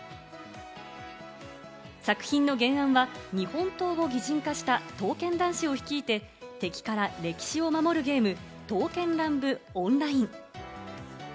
作品の原案は日本刀を擬人化した刀剣男子を率いて、敵から歴史を守るゲーム『刀剣乱舞ＯＮＬＩＮＥ』。